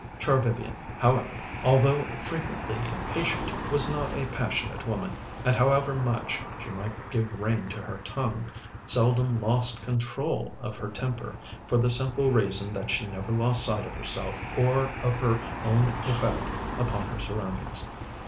Char Vivian, however, although frequently impatient, was not a passionate woman, and however much she might give rein to her tongue, seldom lost control of her temper, for the simple reason that she never lost sight of herself or of her own effect upon her surroundings.